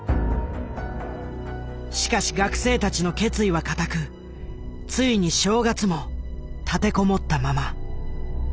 しかし学生たちの決意は固くついに正月も立て籠もったまま。